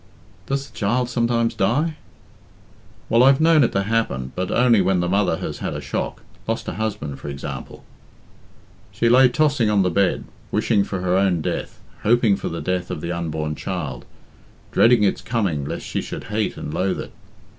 "Does the child sometimes die?" "Well, I've known it to happen, but only when the mother has had a shock lost her husband, for example." She lay tossing on the bed, wishing for her own death, hoping for the death of the unborn child, dreading its coming lest she should hate and loathe it.